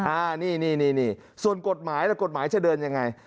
อ่านี่นี่ส่วนกฎหมายล่ะกฎหมายจะเดินยังไง